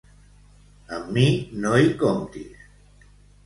Amb mi no hi comptis.